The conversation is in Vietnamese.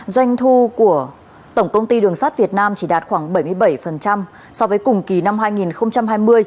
doanh thu của tổng công ty đường sắt việt nam chỉ đạt khoảng bảy mươi bảy so với cùng kỳ năm hai nghìn hai mươi